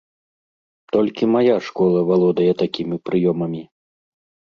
Толькі мая школа валодае такімі прыёмамі!